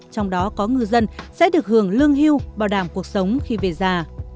trong đó có ngư dân sẽ được hưởng lương hưu bảo đảm cuộc sống khi về già